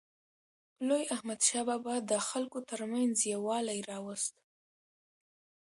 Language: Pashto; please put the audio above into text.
لوی احمدشاه بابا د خلکو ترمنځ یووالی راوست.